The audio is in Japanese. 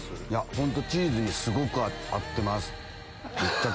本当チーズにすごく合ってます。